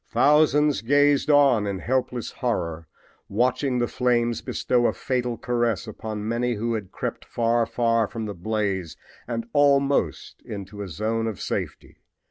Thousands gazed on in helpless horror, watching the flames bestow a fatal caress upon many who had crept far, far from the blaze and almost into a zone of safety.